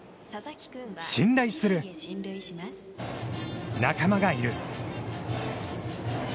信頼する、仲間がいる。